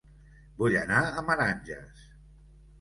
Vull anar a Meranges